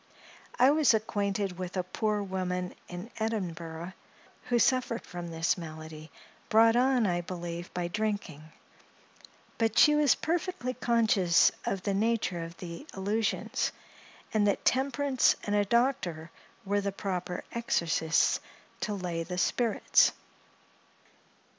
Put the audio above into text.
I was acquainted with a poor woman, in Edinburgh, who suffered from this malady, brought on, I believe, by drinking; but she was perfectly conscious of the nature of the illusions; and that temperance and a doctor were the proper exorcists to lay the spirits.